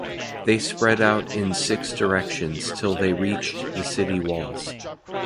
They spread out in six directions till they reached the city walls.